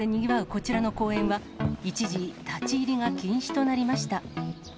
こちらの公園は、一時、立ち入りが禁止となりました。